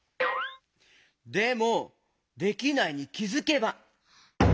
でも「できないに気づけば」？